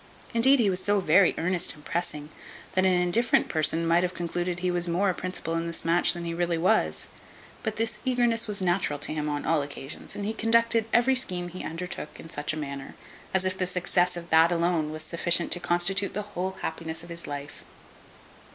Indeed, he was so very earnest and pressing, that an indifferent person might have concluded he was more a principal in this match than he really was; but this eagerness was natural to him on all occasions: and he conducted every scheme he undertook in such a manner, as if the success of that alone was sufficient to constitute the whole happiness of his life.